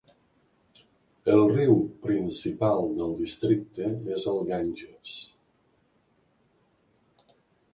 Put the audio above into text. El riu principal del districte és el Ganges.